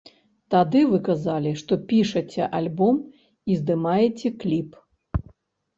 Тады вы казалі, што пішаце альбом і здымаеце кліп.